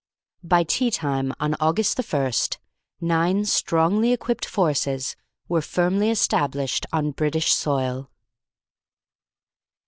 By tea time on August the First, nine strongly equipped forces were firmly established on British soil.